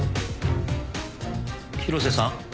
広瀬さん？